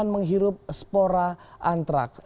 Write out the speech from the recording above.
menghirup spora antraks